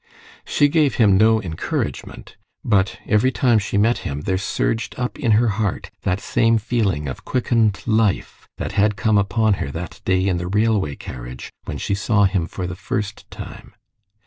She gave him no encouragement, but every time she met him there surged up in her heart that same feeling of quickened life that had come upon her that day in the railway carriage when she saw him for the first time.